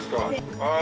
はい。